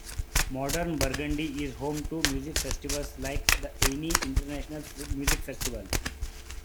Modern Burgundy is home to music festivals like the Ainey International Music Festival.